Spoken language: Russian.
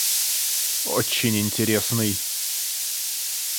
Очень интересный.